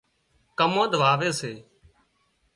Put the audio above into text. ڪمانڌ واوي سي